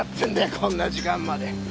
こんな時間まで。